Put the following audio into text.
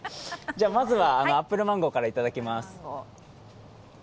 まずはアップルマンゴーからいきます。